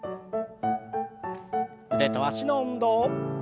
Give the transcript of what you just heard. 腕と脚の運動。